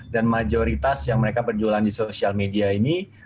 dan majoritas yang mereka berjualan di sosial media ini